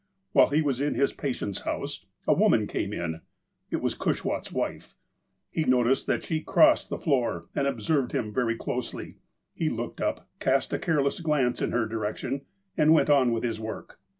While he was in his patient's house, a woman came in. It was Cushwaht' s wife. He noticed that she crossed the floor, and observed him very closely. He looked up, cast a careless glance in her direction, and went on with his work.